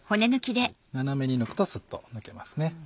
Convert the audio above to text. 斜めに抜くとスッと抜けます。